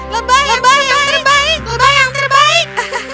lebah yang baik lebah yang terbaik